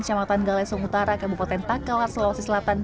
kecamatan galesung utara kabupaten takawar selawasi selatan